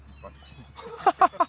ハハハハッ！